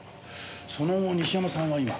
その西山さんは今。